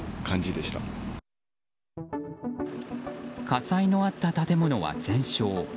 火災のあった建物は全焼。